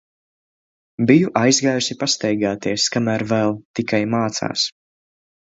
Biju izgājusi pastaigāties, kamēr vēl tikai mācās.